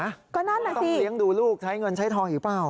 ก็นั่นแหละต้องเลี้ยงดูลูกใช้เงินใช้ทองอีกเปล่า